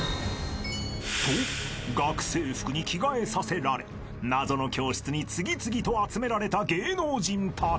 ［と学生服に着替えさせられ謎の教室に次々と集められた芸能人たち］